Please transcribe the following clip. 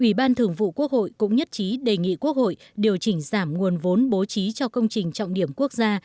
ủy ban thường vụ quốc hội cũng nhất trí đề nghị quốc hội điều chỉnh giảm nguồn vốn bố trí cho công trình trọng điểm quốc gia